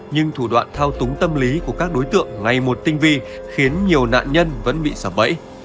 nhưng thủ đoạn thao túng tâm lý của các đối tượng ngay một tinh vi khiến nhiều nạn nhân vẫn bị sập bẫy